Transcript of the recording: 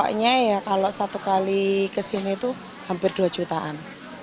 pokoknya ya kalau satu kali ke sini itu hampir rp dua jutaan